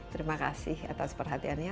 terima kasih atas perhatiannya